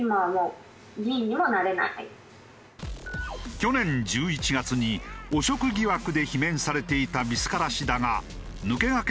去年１１月に汚職疑惑で罷免されていたビスカラ氏だが抜け駆け